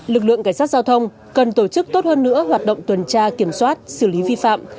lực lượng cảnh sát giao thông cần tổ chức tốt hơn nữa hoạt động tuần tra kiểm soát xử lý vi phạm